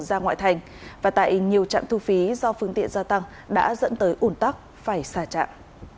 ra ngoại thành và tại nhiều trạm thu phí do phương tiện gia tăng đã dẫn tới ủn tắc phải xả trạm